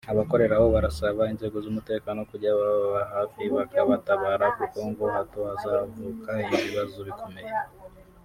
Abakorera aho barasaba inzego z’umutekano kujya bababa hafi bakabatabara kuko ngo hato hazavuka ibibazo bikomeye